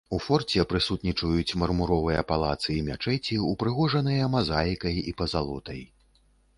У форце прысутнічаюць мармуровыя палацы і мячэці, упрыгожаныя мазаікай і пазалотай.